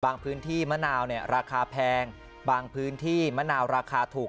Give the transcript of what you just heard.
พื้นที่มะนาวเนี่ยราคาแพงบางพื้นที่มะนาวราคาถูก